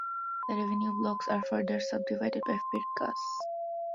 The revenue blocks are further sub-divided by firkas.